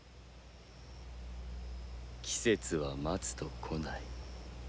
季節は待つと来ない。